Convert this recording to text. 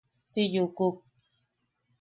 Si yukuk.